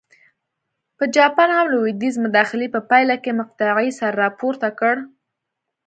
په جاپان هم د لوېدیځ مداخلې په پایله کې مقطعې سر راپورته کړ.